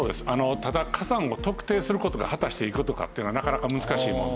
ただ火山を特定する事が果たしていい事かっていうのはなかなか難しい問題で。